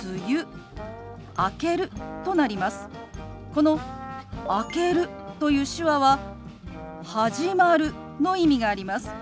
この「明ける」という手話は「始まる」の意味があります。